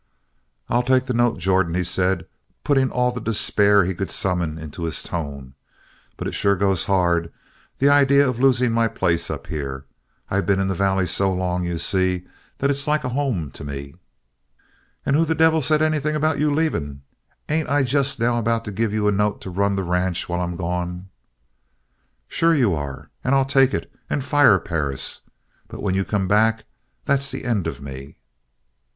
"I'll take the note, Jordan," he said, putting all the despair he could summon into his tone. "But it sure goes hard the idea of losing my place up here. I've been in the Valley so long, you see, that it's like a home to me." "And who the devil said anything about you leaving? Ain't I just now about to give you a note to run the ranch while I'm gone?" "Sure you are. And I'll take it and fire Perris. But when you come back that's the end of me!"